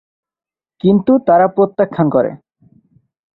কিন্তু তারা প্রত্যাখ্যান করে।